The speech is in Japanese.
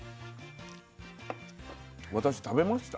私食べました？